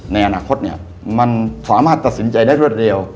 ในอนาคตเนี่ยมันสามารถตัดสินใจได้รวดเร็ว